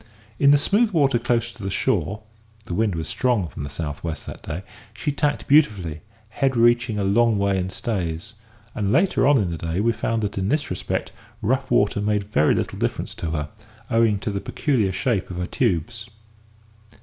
In the smooth water close to the shore (the wind was strong from the south west, that day) she tacked beautifully, head reaching a long way in stays; and later on in the day we found that in this respect rough water made very little difference to her, owing to the peculiar shape of her tubes.